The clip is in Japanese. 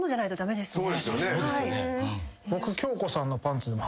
そうですよね。